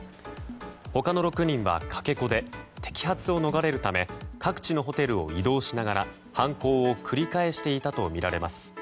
他の６人は、かけ子で摘発を逃れるため各地のホテルを移動しながら犯行を繰り返していたとみられます。